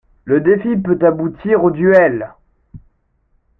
Le défi peut aboutir au duel.